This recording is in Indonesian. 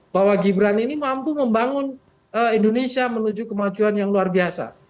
bahwa gibran ini mampu membangun indonesia menuju kemajuan yang luar biasa